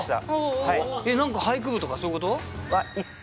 えっ何か俳句部とかそういうこと？